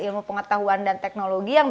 ilmu pengetahuan dan teknologi yang